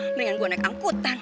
mendingan gue naik angkutan